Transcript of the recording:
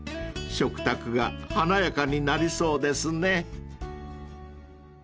［食卓が華やかになりそうですね］